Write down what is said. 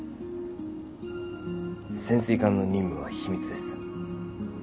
潜水艦の任務は秘密です。